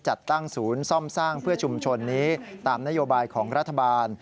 จัดตั้งศูนย์ซ่อมสร้างเพื่อชุมชนนี้ตามนโยบายของรัฐบาล